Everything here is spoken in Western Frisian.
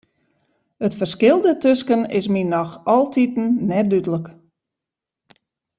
It ferskil dêrtusken is my noch altiten net dúdlik.